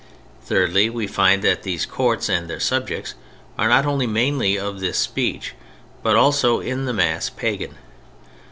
Thirdly, we find that these courts and their subjects are not only mainly of this speech, but also, in the mass, pagan.